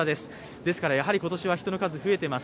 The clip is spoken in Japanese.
ですからやはり今年は人の数増えています。